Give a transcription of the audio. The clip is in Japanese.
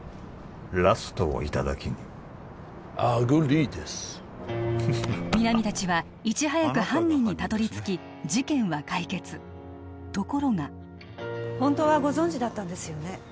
ラストをいただきにアグリーです皆実達はいち早く犯人にたどり着き事件は解決ところが本当はご存じだったんですよね